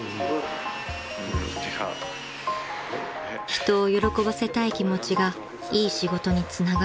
［人を喜ばせたい気持ちがいい仕事につながる］